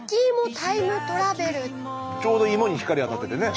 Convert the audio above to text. ちょうどイモに光当たっててね。